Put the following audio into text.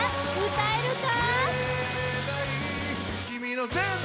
歌えるか？